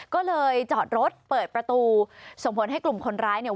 ก็เลยจอดรถเปิดประตูส่งผลให้กลุ่มคนร้ายเนี่ย